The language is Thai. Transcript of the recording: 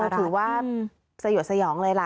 ถือว่าสยดสยองเลยล่ะ